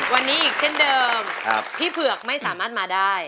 วันนี้อีกเช่นเดิมพี่เผือกไม่สามารถมาได้